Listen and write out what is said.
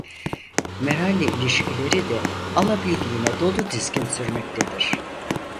Meral'le ilişkileri de alabildiğine doludizgin sürmektedir.